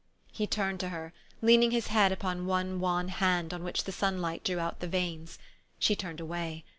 He turned to her, leaning his head upon one wan hand on which the sunlight drew out the veins. She turned away.